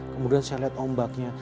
kemudian saya lihat ombaknya